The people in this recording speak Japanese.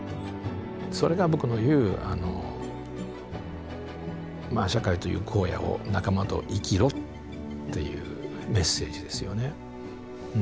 それが僕の言う社会という荒野を仲間と生きろっていうメッセージですよね。